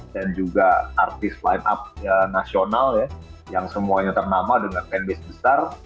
dan juga artis line up nasional yang semuanya ternama dengan fan base besar